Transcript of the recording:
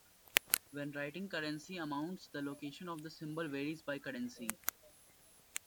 When writing currency amounts the location of the symbol varies by currency.